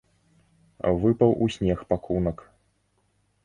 Выпаў у снег пакунак.